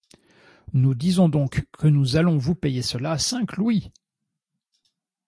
Nous disons donc que nous allons vous payer cela cinq louis ?